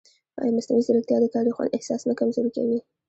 ایا مصنوعي ځیرکتیا د کاري خوند احساس نه کمزورې کوي؟